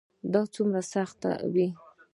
دا به څومره سخت وي.